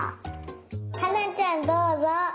花ちゃんどうぞ。